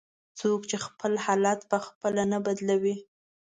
"څوک چې خپل حالت په خپله نه بدلوي".